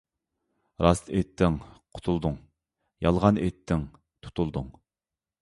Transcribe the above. راست ئېيتتىڭ قۇتۇلدۇڭ، يالغان ئېيتتىڭ تۇتۇلدۇڭ.